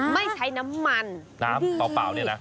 ไม่ใช้น้ำมันน้ำเปล่าเนี่ยนะ